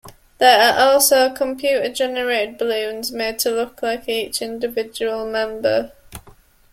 There are also computer-generated balloons made to look like each individual member.